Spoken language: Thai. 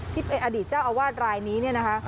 ที่เป็นอดีตเจ้าอาวาสรายนี้เนี่ยนะคะ